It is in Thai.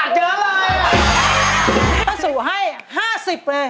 ขอโทษต่างจาก๕บาทเจ๋อเลย